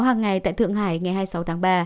hàng ngày tại thượng hải ngày hai mươi sáu tháng ba